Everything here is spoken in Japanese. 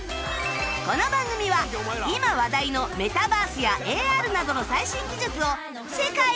この番組は今話題のメタバースや ＡＲ などの最新技術を世界一楽しく学べる番組